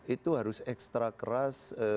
itu harus ekstra keras